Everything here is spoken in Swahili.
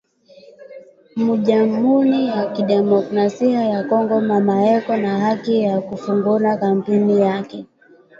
Mu jamuri ya ki democracia ya congo mama eko na haki ya ku fungula kampuni yake